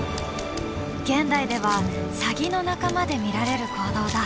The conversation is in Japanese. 現代ではサギの仲間で見られる行動だ。